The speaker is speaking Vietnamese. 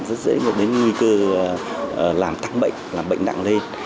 rất dễ dẫn đến nguy cơ làm tăng bệnh làm bệnh nặng lên